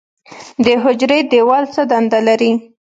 د حجرې دیوال څه دنده لري؟